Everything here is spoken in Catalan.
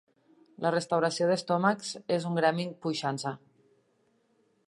La restauració d'estómacs és un gremi en puixança.